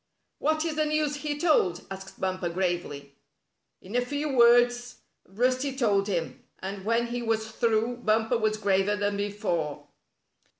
"What is the news he told?" asked Bumper, gravely. In a few words Rusty told him, and when he was through Bumper was graver than before.